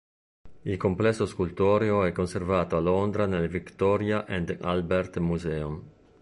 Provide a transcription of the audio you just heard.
Il complesso scultoreo è conservato a Londra nel Victoria and Albert Museum.